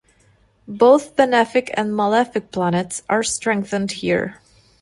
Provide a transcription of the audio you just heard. Both benefic and malefic planets are strengthened here.